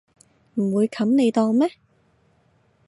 唔會冚你檔咩